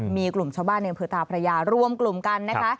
มีกลุ่มชาวบ้านในอำเภอตาพระยารวมกลุ่มกันนะคะ